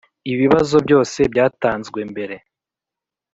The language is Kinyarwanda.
Ibibazo byose byatanzwe mbere